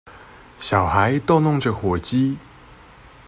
小孩逗弄著火雞